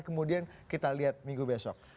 kemudian kita lihat minggu besok